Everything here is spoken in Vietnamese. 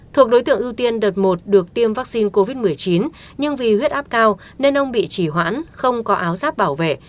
thuộc đối tượng ưu tiên đợt một được tiêm vaccine covid một mươi chín nhưng vì huyết áp cao nên ông bị chỉ hoãn không có áo giáp bảo vệ